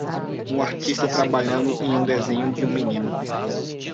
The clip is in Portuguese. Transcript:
Um artista trabalhando em um desenho de um menino.